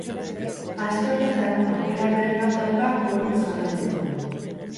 Aste honetan aukera berri bat dauka goruntz jarraitzeko.